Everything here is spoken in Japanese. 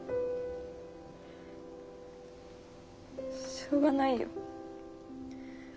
しょうがないよ。